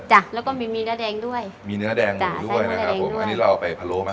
จ้ะแล้วก็มีมีเนื้อแดงด้วยมีเนื้อแดงอยู่ด้วยนะครับผมอันนี้เราเอาไปพะโล้มา